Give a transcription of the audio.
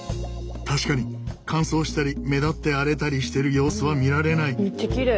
確かに乾燥したり目立って荒れたりしてる様子は見られない。